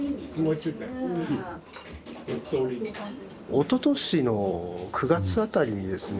おととしの９月あたりにですね